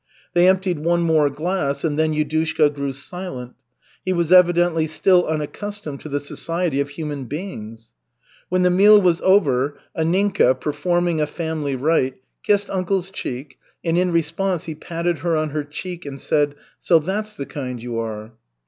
They emptied one more glass, and then Yudushka grew silent. He was evidently still unaccustomed to the society of human beings. When the meal was over, Anninka, performing a family rite, kissed uncle's cheek, and in response he patted her on her cheek and said: "So that's the kind you are."